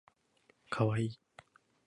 かわいい